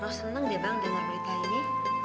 roh seneng deh bang denger berita ini